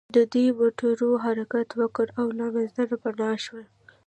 د دوی موټرو حرکت وکړ او له نظره پناه شول